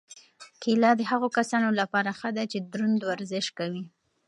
کیله د هغو کسانو لپاره ښه ده چې دروند ورزش کوي.